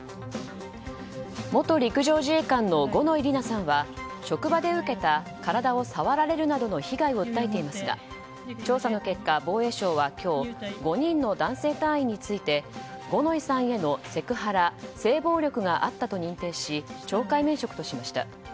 元陸上自衛官の五ノ井里奈さんは職場で受けた体を触られるなどの被害を訴えていますが調査の結果、防衛省は今日５人の男性隊員について五ノ井さんへのセクハラ性暴力があったと認定し懲戒免職としました。